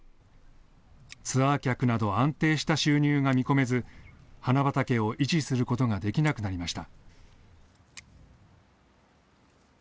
ツアー客など安定した収入が見込めず花畑を維持することができなくなりました。